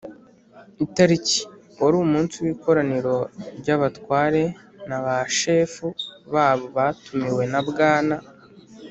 Itariki: wari umunsi w'Ikoraniro ry'Abatware n'Abashefu babo batumiwe na Bwana